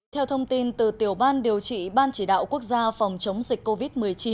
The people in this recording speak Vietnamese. theo thông tin từ tiểu ban điều trị ban chỉ đạo quốc gia phòng chống dịch covid một mươi chín